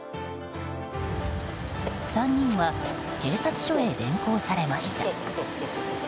３人は警察署へ連行されました。